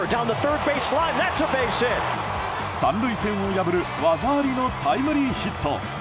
３塁線を破る技ありのタイムリーヒット！